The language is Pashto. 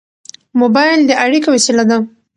موبایل د اړیکې وسیله ده.